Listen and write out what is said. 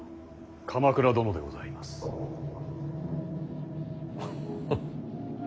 鎌倉殿でございます。フッフ。